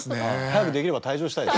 早くできれば退場したい。